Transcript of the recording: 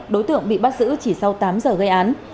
đối tượng bị bắt giữ chỉ sau tám giờ gây án